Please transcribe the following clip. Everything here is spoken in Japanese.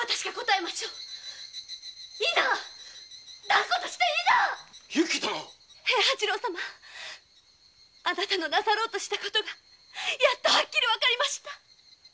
断固として否由紀殿平八郎様あなたのなさろうとした事がやっとはっきりわかりました。